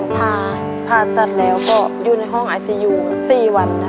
ผ่าผ่าตัดแล้วก็อยู่ในห้องไอซียู๔วัน